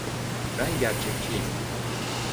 Ben gerçekçiyim.